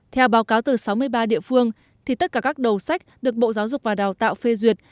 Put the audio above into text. theo báo cáo từ sáu mươi ba địa phương thì tất cả các đầu sách được bộ giáo dục và đào tạo phê duyệt